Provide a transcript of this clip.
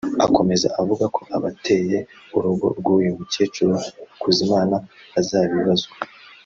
Akomeza avuga ko abateye urugo rw’uyu mukecuru Hakuzimana bazabibazwa